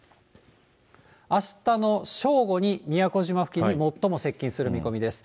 あしたの正午に宮古島付近に最も接近する見込みです。